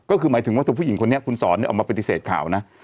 ก็คือหมายถึงว่าถูกผู้หญิงคนนี้คุณสอนออกมาปฏิเสธข่าวนะ